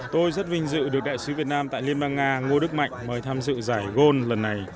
tôi rất vinh dự được đại sứ việt nam tại liên bang nga ngô đức mạnh mời tham dự giải gold lần này